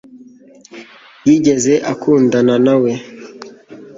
yigeze akundana nawe